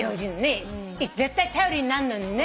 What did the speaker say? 絶対頼りになるのにね。